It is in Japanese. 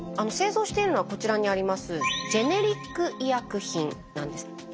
製造しているのはこちらにありますジェネリック医薬品なんです。